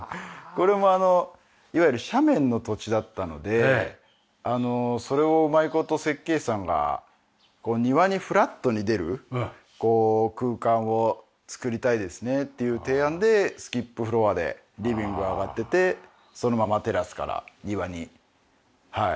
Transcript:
これもあのいわゆる斜面の土地だったのでそれをうまい事設計士さんが庭にフラットに出る空間を作りたいですねっていう提案でスキップフロアでリビング上がっていってそのままテラスから庭にはい。